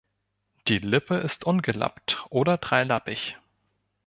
Die Lippe ist ungelappt oder dreilappig.